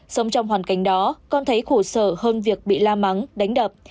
sống trong hoàn cảnh đó con thấy khổ sở hơn việc bị la mắng đánh đập